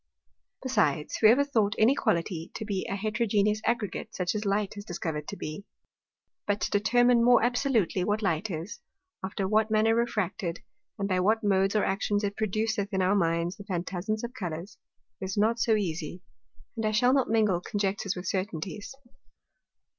Besides, whoever thought any Quality to be a heterogeneous Aggregate, such as Light is discovered to be? But to determine more absolutely, what Light is, after what manner refracted, and by what Modes or Actions it produceth in our Minds the Phantasms of Colours, is not so easie. And I shall not mingle Conjectures with Certainties.